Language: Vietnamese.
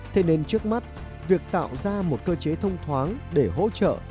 thế nên trước mắt việc tạo ra một cơ chế thông thoáng để hỗ trợ